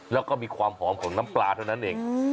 แล้วก็มีความหอมของน้ำปลาเท่านั้นเอง